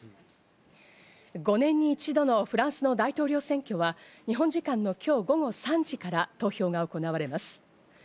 ５年に一度のフランスの大統領選挙は、日本時間の今日午後３時から投票が行われます。